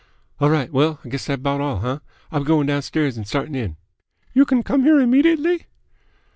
"All right. Well, I guess thass 'bout all, huh? I'll be going downstairs 'an starting in." "You can come here immediately?"